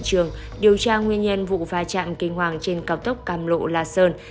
trường điều tra nguyên nhân vụ phá trạng kinh hoàng trên cầu tốc càm lộ la sơn